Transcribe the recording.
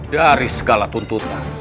dari segala tuntutan